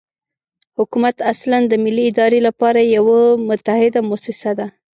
حکومت اصلاً د ملي ادارې لپاره یوه متحده موسسه ده.